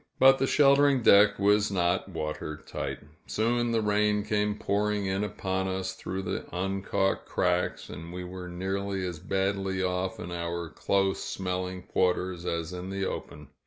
But the sheltering deck was not water tight; soon the rain came pouring in upon us through the uncaulked cracks, and we were nearly as badly off in our close smelling quarters as in the open.